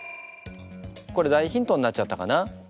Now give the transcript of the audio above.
これ大ヒントになっちゃったかな？